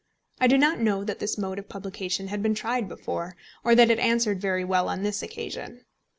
I do not know that this mode of publication had been tried before, or that it answered very well on this occasion.